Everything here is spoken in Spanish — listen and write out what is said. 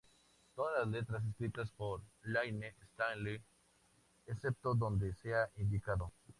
Todas las letras escritas por Layne Staley, excepto donde sea indicado.